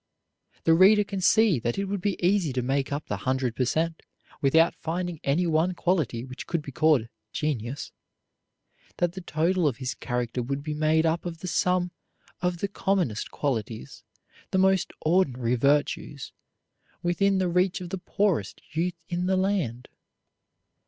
The reader can see that it would be easy to make up the hundred per cent, without finding any one quality which could be called genius; that the total of his character would be made up of the sum of the commonest qualities, the most ordinary virtues within the reach of the poorest youth in the land.